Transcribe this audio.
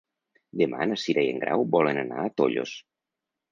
Demà na Cira i en Grau volen anar a Tollos.